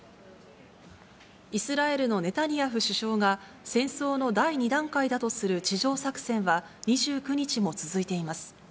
イスラエルのネタニヤフ首相が、戦争の第２段階だとする地上作戦は、２９日も続いています。